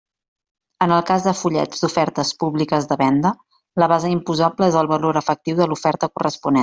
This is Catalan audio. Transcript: En el cas de fullets d'ofertes públiques de venda, la base imposable és el valor efectiu de l'oferta corresponent.